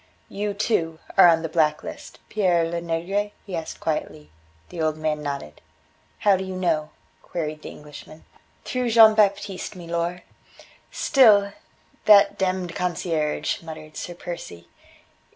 "You, too, are on the black list, Pere Lenegre?" he asked quietly. The old man nodded. "How do you know?" queried the Englishman. "Through Jean Baptiste, milor." "Still that demmed concierge," muttered Sir Percy.